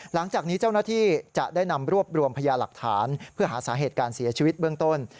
หลังจากนี้เจ้าหน้าที่จะได้นำรวบรวมพยาหลักฐานเพื่อหาสาเหตุการเสียชีวิตเบื้องต้น